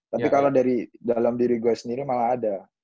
tapi kalau dari dalam diri gue sendiri malah ada